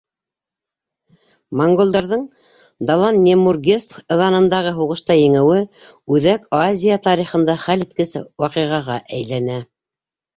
Монголдарҙың Далан-нэмургес ыҙанындағы һуғышта еңеүе Үҙәк Азия тарихында хәл иткес ваҡиғаға әйләнә.